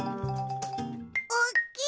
おっきい。